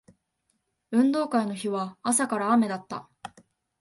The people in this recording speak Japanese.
運動会の日は朝から雨だった